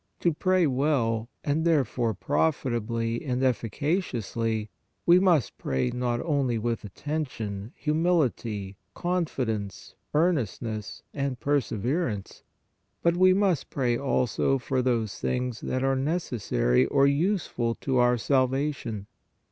To pray well, and therefore profitably and efficaciously, we must pray not only with attention, humility, confidence, earnestness and perseverance, but we must pray also for those things that are necessary or useful to our salvation.